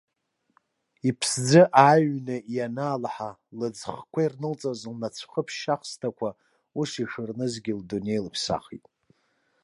Иԥсӡы ааҩны ианлаҳа, лыӡӷқәа ирнылҵаз лнацәхыԥ-шәахсҭақәа ус ишырнызгьы лдунеи лыԥсахит.